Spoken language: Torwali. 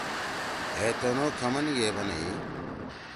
ہے تنُو کھمن گے بنئی: